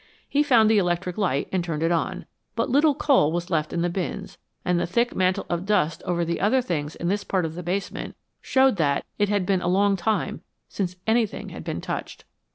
He found the electric light and turned it on. But little coal was left in the bins, and the thick mantle of dust over the other things in this part of the basement showed that it had been a long time since anything had been touched.